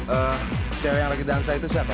eh cewek yang sedang berdansa itu siapa